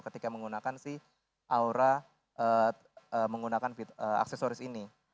ketika menggunakan si aura menggunakan aksesoris ini